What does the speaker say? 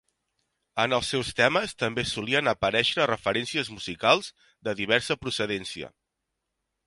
En els seus temes també solien aparèixer referències musicals de diversa procedència.